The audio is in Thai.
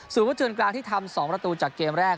ส่วนผู้เจินกลางที่ทำ๒ประตูจากเกมแรก